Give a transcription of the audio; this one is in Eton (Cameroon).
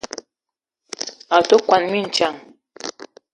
A te kwuan mintsang.